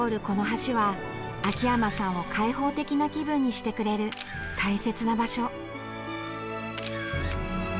この橋は秋山さんを開放的な気分にしてくれる大切な場所。